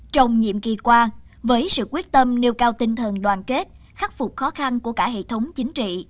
trong nhiệm kỳ qua với sự quyết tâm nêu cao tinh thần đoàn kết khắc phục khó khăn của cả hệ thống chính trị